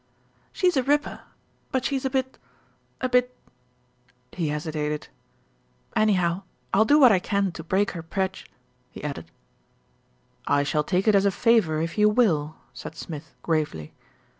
"She's a ripper; but she's a bit, a bit " He hesi tated. "Anyhow, I'll do what I can to break her prej," he added. "I shall take it as a favour if you will," said Smith gravely.